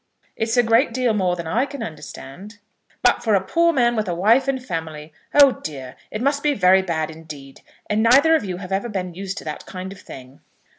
"It's a great deal more than I can understand." "But for a poor man with a wife and family; oh dear! it must be very bad indeed. And neither of you have ever been used to that kind of thing."